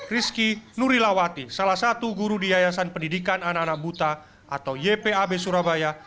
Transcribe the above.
rizky nurilawati salah satu guru di yayasan pendidikan anak anak buta atau ypab surabaya